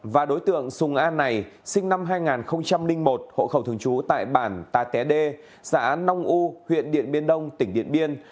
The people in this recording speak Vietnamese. và đối tượng sùng a này sinh năm hai nghìn một hộ khẩu thường trú tại bản tà té đê xã nông u huyện điện biên đông tỉnh điện biên